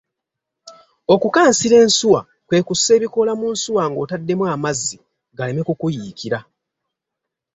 Okukansira ensuwa kwe kussa ebikoola mu nsuwa ng’otaddemu amazzi galeme ku kuyiikira.